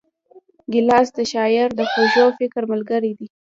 ګیلاس د شاعر د خوږ فکر ملګری دی.